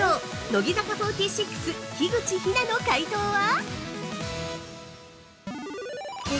乃木坂４６・樋口日奈の解答は？